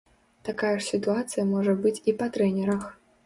Такая ж сітуацыя можа быць і па трэнерах.